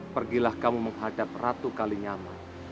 pergilah kamu menghadap ratu kalinyama